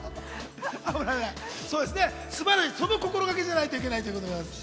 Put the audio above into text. その心がけじゃないといけないってことです。